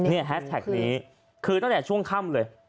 แฮสแท็กนี้คือตั้งแต่ช่วงค่ำเลย